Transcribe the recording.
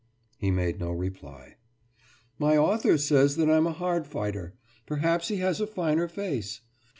« He made no reply. »My author says that I'm a hard fighter. Perhaps he has a finer face.